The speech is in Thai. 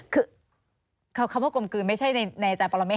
คือคำว่ากลมกลืนไม่ใช่ในอาจารย์ปรเมฆ